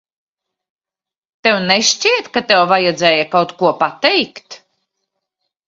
Tev nešķiet, ka tev vajadzēja kaut ko pateikt?